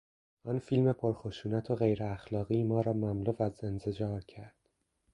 آن فیلم پرخشونت و غیراخلاقی ما را مملو از انزجار کرد.